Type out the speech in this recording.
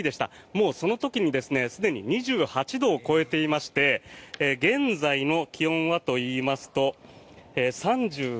もうその時にすでに２８度を超えていまして現在の気温はといいますと３６．５度。